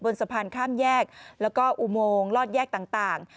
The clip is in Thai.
สะพานข้ามแยกแล้วก็อุโมงลอดแยกต่าง